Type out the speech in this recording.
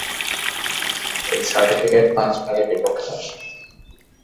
এই সার্টিফিকেট পাঁচ ভাগে বিভক্ত।